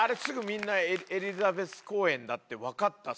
みんなエリザベス公園だって分かった？